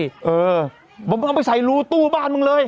เออมึงต้องไปใส่รูตู้บ้านมึงเลย